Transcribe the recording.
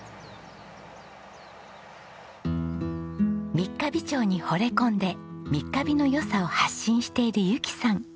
三ヶ日町にほれ込んで三ヶ日の良さを発信しているゆきさん。